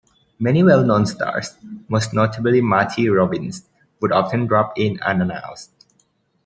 Many well-known stars, most notably Marty Robbins, would often drop in unannounced.